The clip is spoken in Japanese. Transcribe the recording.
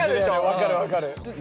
分かる分かる。